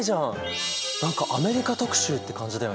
何かアメリカ特集って感じだよね。